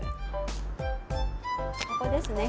ここですね。